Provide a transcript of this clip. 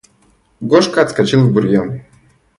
Гошка отскочил в бурьян.